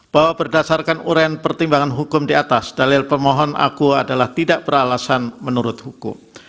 bahwa berdasarkan uraian pertimbangan hukum di atas dalil pemohon aku adalah tidak beralasan menurut hukum